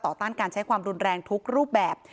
ต้านการใช้ความรุนแรงทุกรูปแบบ